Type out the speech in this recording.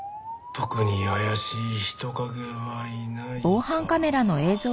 特に怪しい人影はいないか。